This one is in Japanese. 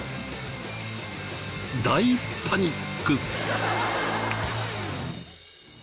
大パニック！